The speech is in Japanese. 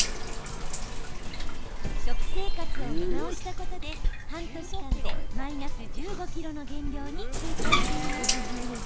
食生活を見直したことで半年間でマイナス１５ｋｇの減量に成功しています。